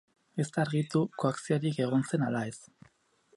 Ez da argitu koakziorik egon zen ala ez.